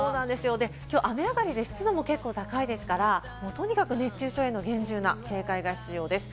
雨上がりで湿度も高いので、とにかく熱中症には厳重な警戒が必要です。